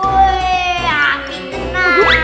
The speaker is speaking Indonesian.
wuih hati kena